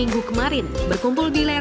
jualan kopi sedunia